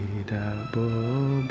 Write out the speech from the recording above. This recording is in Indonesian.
dia pasti akan nyerah